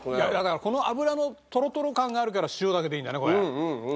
この脂のトロトロ感があるから塩だけでいいんだよねこれ。